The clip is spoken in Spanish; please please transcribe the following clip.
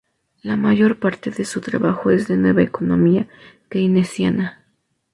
La mayor parte de su trabajo es de Nueva Economía Keynesiana.